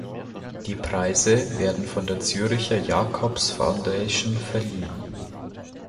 Die Preise werden von der Zürcher Jacobs Foundation verliehen.